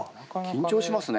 緊張しますね